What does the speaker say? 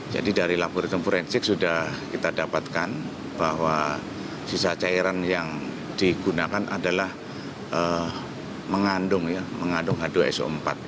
jadi dari laboratorium forensik sudah kita dapatkan bahwa sisa cairan yang digunakan adalah mengandung ya mengandung h dua so empat